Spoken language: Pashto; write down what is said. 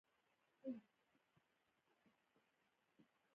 بزګان د افغانستان یو ډول طبعي ثروت دی.